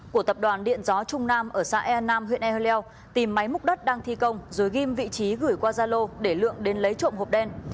của tập đoàn điện gió trung nam ở xã e nam huyện ehleo tìm máy múc đất đang thi công rồi ghim vị trí gửi qua gia lô để lượng đến lấy trộm hộp đen